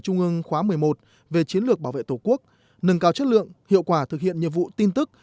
trung ương khóa một mươi một về chiến lược bảo vệ tổ quốc nâng cao chất lượng hiệu quả thực hiện nhiệm vụ tin tức